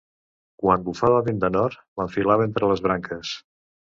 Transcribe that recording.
Quan bufava vent de nord, m'enfilava entre les branques.